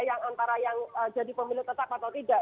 yang antara yang jadi pemilu tetap atau tidak